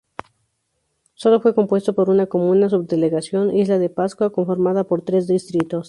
Sólo fue compuesto por una comuna-subdelegación, Isla de Pascua, conformada por tres distritos.